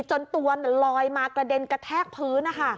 จนตัวลอยมากระเด็นกระแทกพื้น